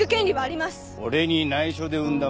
俺に内緒で産んだ娘だろ。